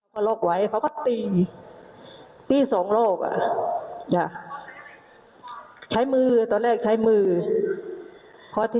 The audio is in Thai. พอโรคไหวเขาก็ตีตีสองโรคใช้มือตอนแรกใช้มือเพราะที